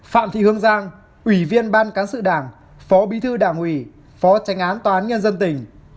phạm thị hương giang ủy viên ban cán sự đảng phó bí thư đảng ủy phó tranh án tòa án nhân dân tỉnh